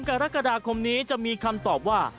กรกฎาคมนี้จะมีคำตอบว่า